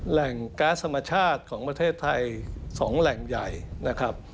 แหล่งการ์ดสมาชาติของประเทศไทย๒แหล่งใหญ่นะครับ